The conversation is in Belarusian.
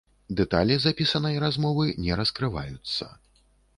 Дэталі запісанай размовы не раскрываюцца.